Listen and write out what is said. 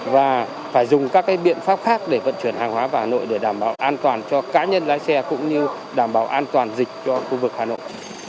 và phải dùng các biện pháp khác để vận chuyển hàng hóa vào hà nội để đảm bảo an toàn cho cá nhân lái xe cũng như đảm bảo an toàn dịch cho khu vực hà nội